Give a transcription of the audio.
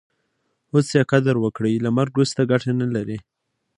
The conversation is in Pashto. اوس ئې قدر وکړئ! له مرګ وروسته ګټه نه لري.